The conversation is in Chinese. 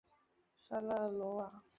沙勒罗瓦。